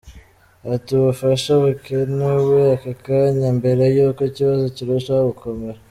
Ati” Ubufasha bukenewe aka kanya, mbere y’uko ikibazo kirushaho gukomera.